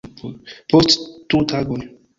Post du tagoj